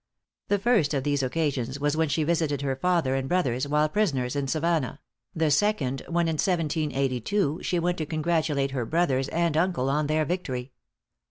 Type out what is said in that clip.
The first of these occasions was when she visited her father and brothers while prisoners in Savannah; the second, when in 1782, she went to congratulate her brothers and uncle on their victory.